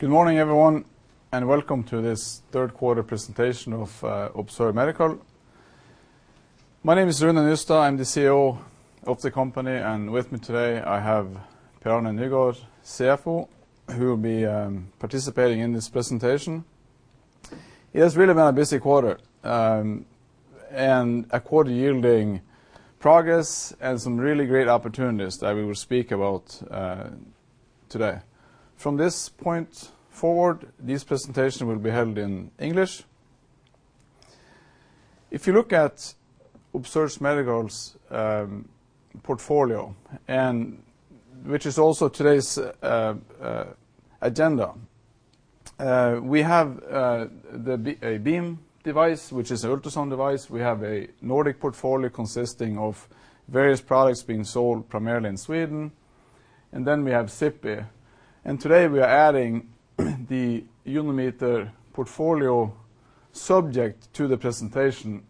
Good morning, everyone, and welcome to this third quarter presentation of Observe Medical. My name is Rune Nystad. I'm the CEO of the company, and with me today, I have Per-Arne Nygård, CFO, who will be participating in this presentation. It has really been a busy quarter, and a quarter yielding progress and some really great opportunities that we will speak about today. From this point forward, this presentation will be held in English. If you look at Observe Medical's portfolio and which is also today's agenda, we have a Biim device, which is a ultrasound device. We have a Nordic portfolio consisting of various products being sold primarily in Sweden. We have Sippi. Today, we are adding the UnoMeter portfolio subject to the presentation.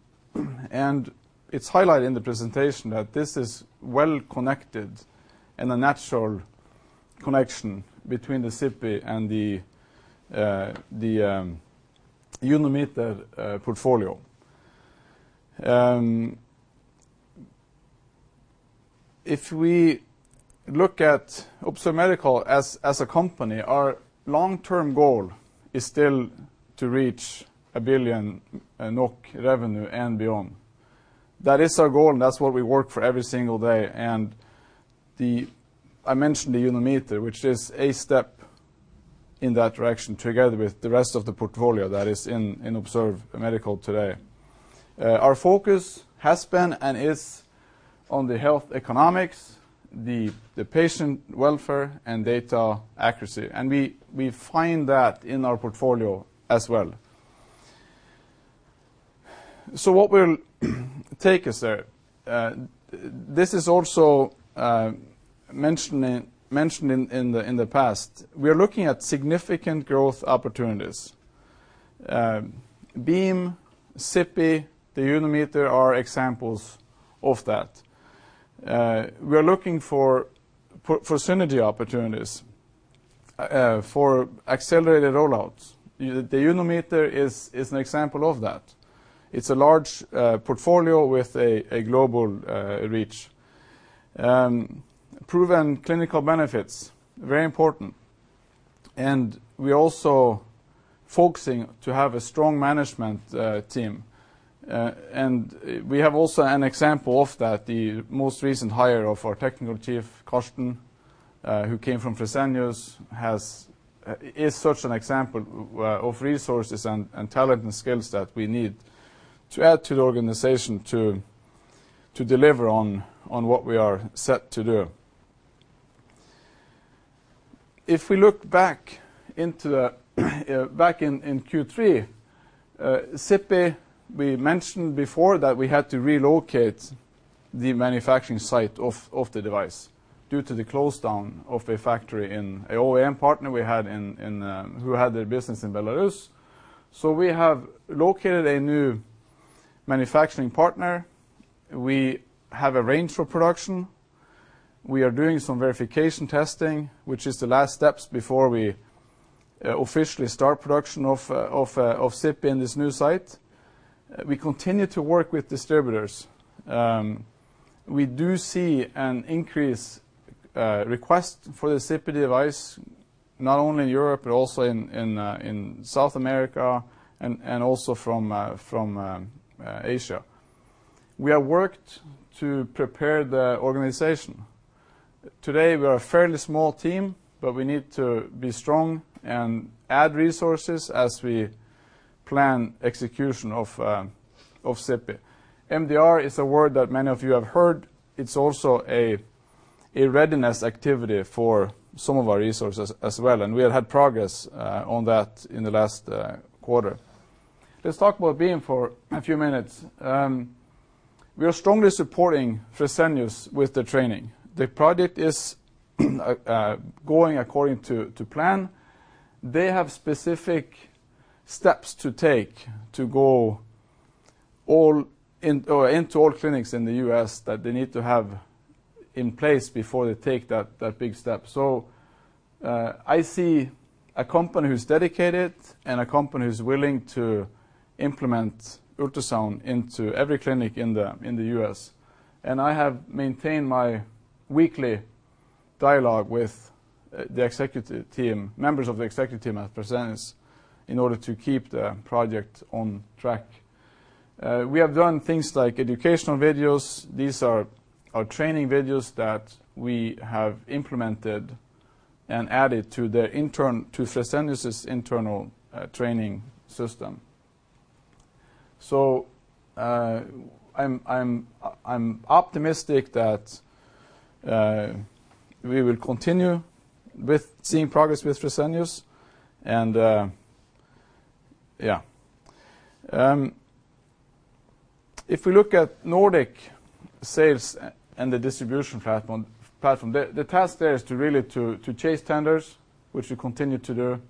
It's highlighted in the presentation that this is well connected and a natural connection between the Sippi and the UnoMeter portfolio. If we look at Observe Medical as a company, our long-term goal is still to reach 1 billion NOK revenue and beyond. That is our goal, and that's what we work for every single day. I mentioned the UnoMeter, which is a step in that direction together with the rest of the portfolio that is in Observe Medical today. Our focus has been and is on the health economics, the patient welfare, and data accuracy. We find that in our portfolio as well. What we'll take is that this is also mentioned in the past. We are looking at significant growth opportunities. Biim, Sippi, the UnoMeter are examples of that. We are looking for synergy opportunities for accelerated rollouts. The UnoMeter is an example of that. It's a large portfolio with a global reach. Proven clinical benefits, very important. We're also focusing to have a strong management team. We have also an example of that, the most recent hire of our technical chief, Karsten, who came from Fresenius, is such an example of resources and talent and skills that we need to add to the organization to deliver on what we are set to do. If we look back in Q3, Sippi, we mentioned before that we had to relocate the manufacturing site of the device due to the close down of a factory in a OEM partner we had in who had their business in Belarus. We have located a new manufacturing partner. We have arranged for production. We are doing some verification testing, which is the last steps before we officially start production of Sippi in this new site. We continue to work with distributors. We do see an increase request for the Sippi device not only in Europe, but also in South America and also from Asia. We have worked to prepare the organization. Today, we are a fairly small team, but we need to be strong and add resources as we plan execution of Sippi. MDR is a word that many of you have heard. It's also a readiness activity for some of our resources as well, and we have had progress on that in the last quarter. Let's talk about Biim for a few minutes. We are strongly supporting Fresenius with the training. The project is going according to plan. They have specific steps to take to go into all clinics in the U.S. that they need to have in place before they take that big step. I see a company who's dedicated and a company who's willing to implement ultrasound into every clinic in the U.S. I have maintained my weekly dialogue with the executive team, members of the executive team at Fresenius, in order to keep the project on track. We have done things like educational videos. These are training videos that we have implemented and added to Fresenius' internal training system. I'm optimistic that we will continue with seeing progress with Fresenius and yeah. If we look at Nordic sales and the distribution platform, the task there is to really chase tenders, which we continue to do,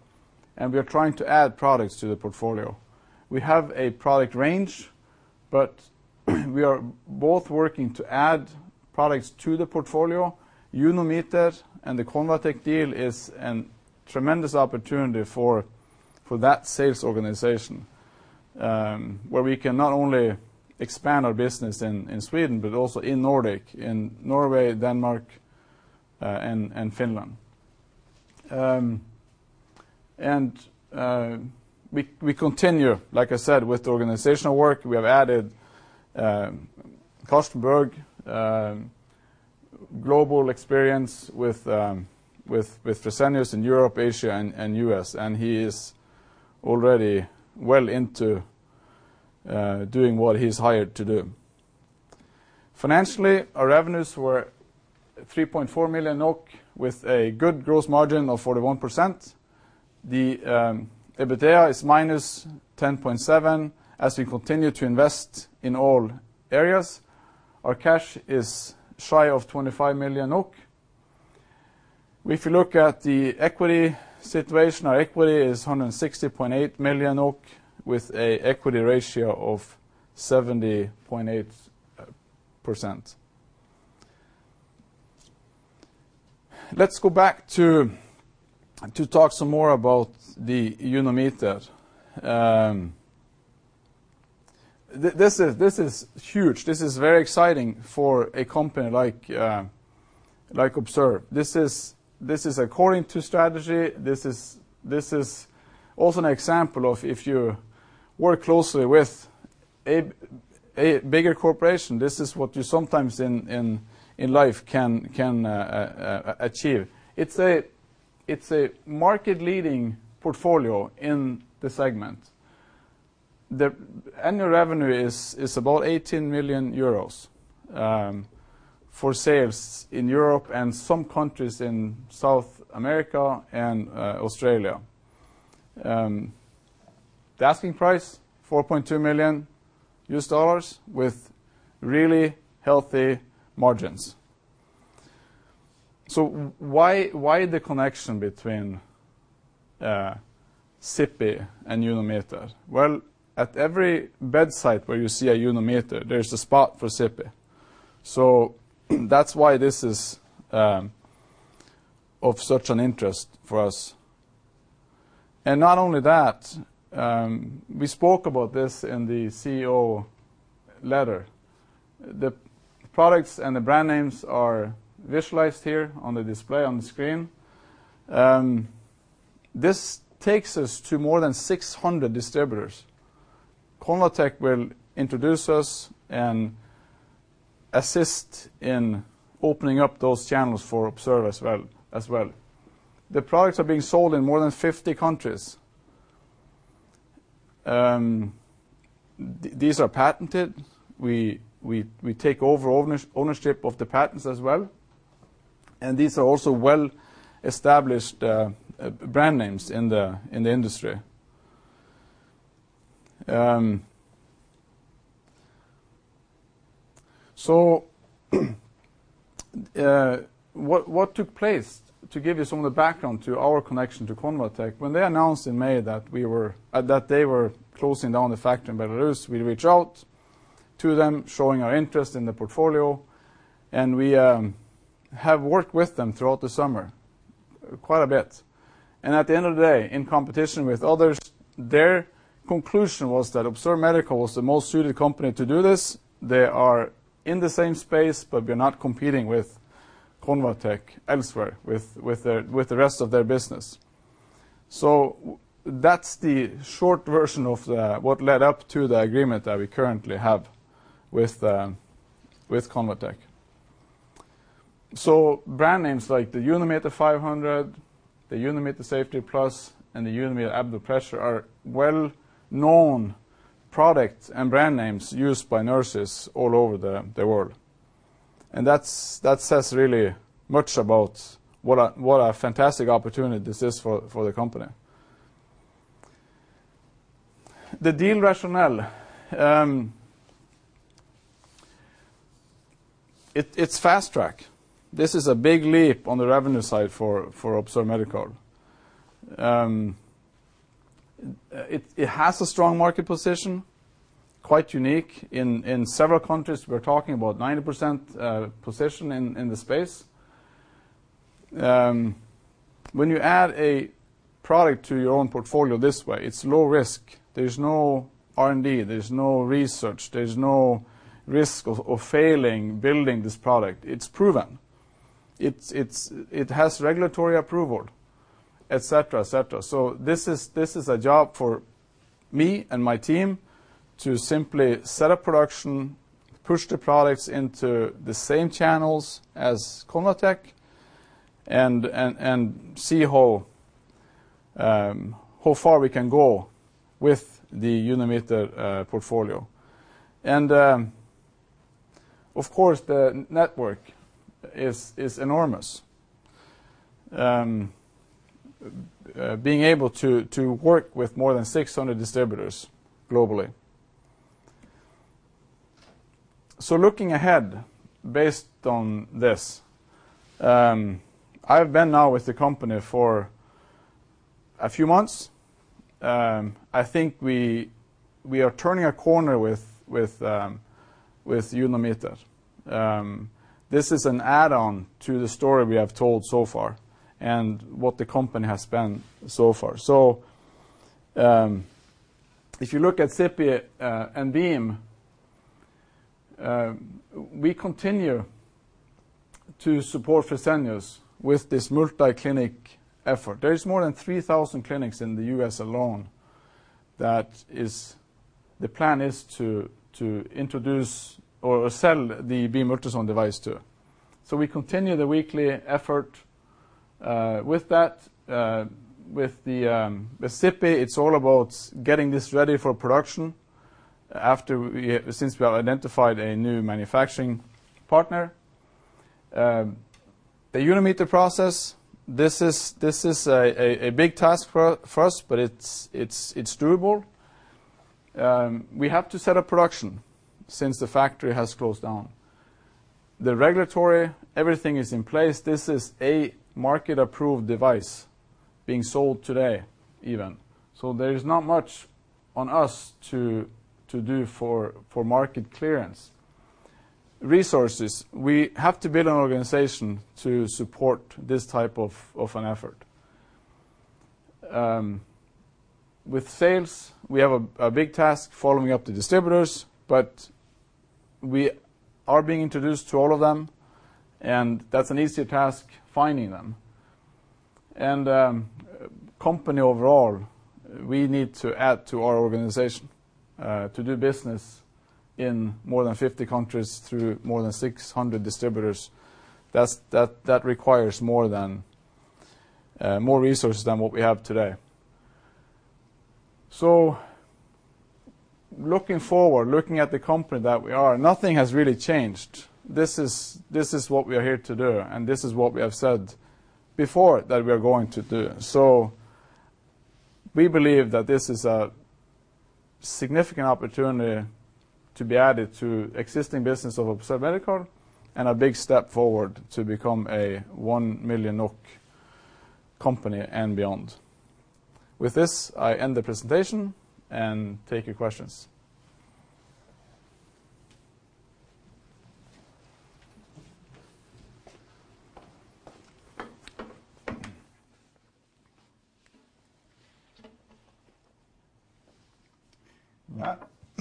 and we are trying to add products to the portfolio. We have a product range. We are both working to add products to the portfolio. UnoMeter and the ConvaTec deal is a tremendous opportunity for that sales organization, where we can not only expand our business in Sweden, but also in Nordic, in Norway, Denmark, and Finland. We continue, like I said, with the organizational work. We have added Karsten Berg with global experience with Fresenius in Europe, Asia, and U.S., and he is already well into doing what he's hired to do. Financially, our revenues were 3.4 million NOK with a good gross margin of 41%. The EBITDA is -10.7 million as we continue to invest in all areas. Our cash is shy of 25 million NOK. If you look at the equity situation, our equity is 160.8 million with an equity ratio of 70.8%. Let's go back to talk some more about the UnoMeter. This is huge. This is very exciting for a company like Observe. This is according to strategy. This is also an example of if you work closely with a bigger corporation, this is what you sometimes in life can achieve. It's a market-leading portfolio in the segment. The annual revenue is about 18 million euros for sales in Europe and some countries in South America and Australia. The asking price, $4.2 million with really healthy margins. Why the connection between Sippi and UnoMeter? Well, at every bedside where you see a UnoMeter, there's a spot for Sippi. That's why this is of such an interest for us. Not only that, we spoke about this in the CEO letter. The products and the brand names are visualized here on the display on the screen. This takes us to more than 600 distributors. ConvaTec will introduce us and assist in opening up those channels for Observe as well. The products are being sold in more than 50 countries. These are patented. We take over ownership of the patents as well, and these are also well-established brand names in the industry. What took place to give you some of the background to our connection to ConvaTec, when they announced in May that they were closing down the factory in Belarus, we reached out to them, showing our interest in the portfolio, and we have worked with them throughout the summer quite a bit. At the end of the day, in competition with others, their conclusion was that Observe Medical was the most suited company to do this. They are in the same space, but we are not competing with ConvaTec elsewhere with the rest of their business. That's the short version of what led up to the agreement that we currently have with ConvaTec. Brand names like the UnoMeter 500, the UnoMeter Safeti Plus, and the UnoMeter Abdo-Pressure are well-known products and brand names used by nurses all over the world. That says really much about what a fantastic opportunity this is for the company. The deal rationale, it's fast-track. This is a big leap on the revenue side for Observe Medical. It has a strong market position, quite unique in several countries. We're talking about 90% position in the space. When you add a product to your own portfolio this way, it's low risk. There's no R&D, there's no research, there's no risk of failing building this product. It's proven. It has regulatory approval, et cetera, et cetera. This is a job for me and my team to simply set up production, push the products into the same channels as ConvaTec and see how far we can go with the UnoMeter portfolio. Of course, the network is enormous, being able to work with more than 600 distributors globally. Looking ahead based on this, I've been now with the company for a few months. I think we are turning a corner with UnoMeter. This is an add-on to the story we have told so far and what the company has been so far. If you look at Sippi and Biim, we continue to support Fresenius with this multi-clinic effort. There is more than 3,000 clinics in the U.S. alone. That is, the plan is to introduce or sell the Biim Multizone device to. We continue the weekly effort with that, with Sippi. It's all about getting this ready for production since we have identified a new manufacturing partner. The UnoMeter process, this is a big task first, but it's doable. We have to set up production since the factory has closed down. The regulatory everything is in place. This is a market-approved device being sold today, even. There is not much on us to do for market clearance. Resources, we have to build an organization to support this type of an effort. With sales, we have a big task following up the distributors, but we are being introduced to all of them, and that's an easy task finding them. Company overall, we need to add to our organization to do business in more than 50 countries through more than 600 distributors. That requires more resources than what we have today. Looking forward, looking at the company that we are, nothing has really changed. This is what we are here to do, and this is what we have said before that we are going to do. We believe that this is a significant opportunity to be added to existing business of Observe Medical and a big step forward to become a 1 million NOK company and beyond. With this, I end the presentation and take your questions.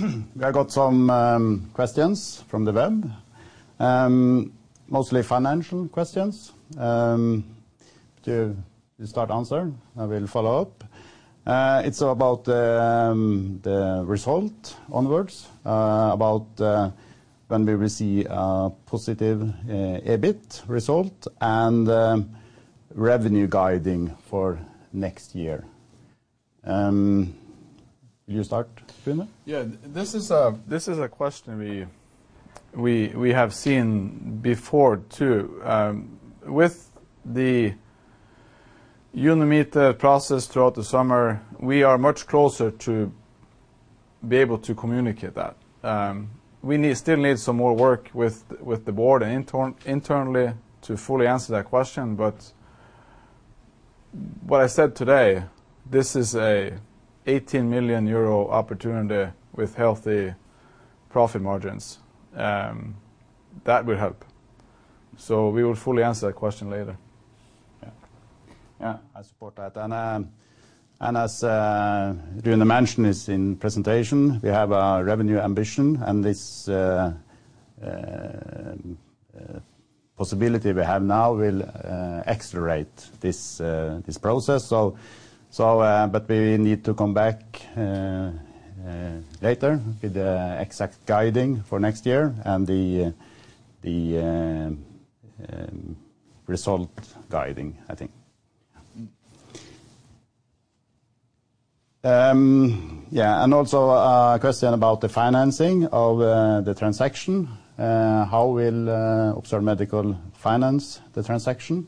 Yeah. We have got some questions from the web, mostly financial questions. Do you start answering? I will follow up. It's about the result onwards about when we will see a positive EBIT result and revenue guiding for next year. Will you start, Rune? Yeah. This is a question we have seen before, too. With the UnoMeter process throughout the summer, we are much closer to be able to communicate that. We still need some more work with the board and internally to fully answer that question. What I said today, this is a 18 million euro opportunity with healthy profit margins, that will help. We will fully answer that question later. Yeah. Yeah, I support that. As Rune mentioned this in presentation, we have a revenue ambition, and this possibility we have now will accelerate this process. But we need to come back later with the exact guiding for next year and the result guiding, I think. A question about the financing of the transaction. How will Observe Medical finance the transaction?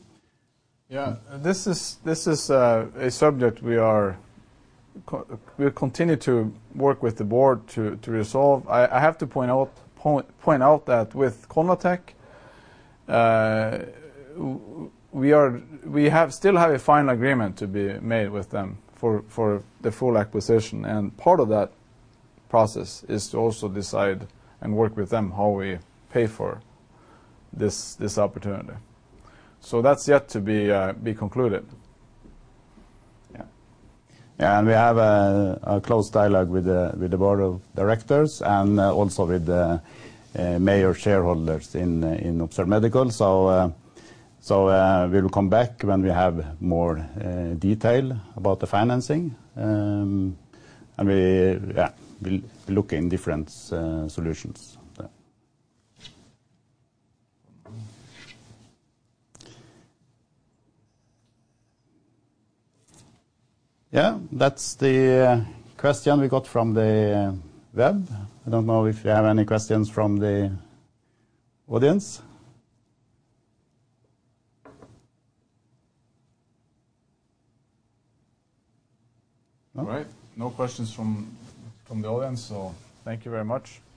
Yeah. This is a subject we continue to work with the board to resolve. I have to point out that with ConvaTec, we still have a final agreement to be made with them for the full acquisition, and part of that process is to also decide and work with them how we pay for this opportunity. That's yet to be concluded. Yeah. We have a close dialogue with the board of directors and also with the major shareholders in Observe Medical. We will come back when we have more detail about the financing, and we, yeah, we'll look in different solutions. Yeah. Yeah, that's the question we got from the web. I don't know if you have any questions from the audience. No? All right. No questions from the audience, so thank you very much.